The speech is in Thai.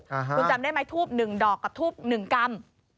คุณจำได้ไหมทูปหนึ่งดอกกับทูปหนึ่งกรรม